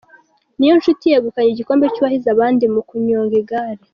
Niyonshuti yegukanye igikombe cyuwahize abandi mukunyonga igare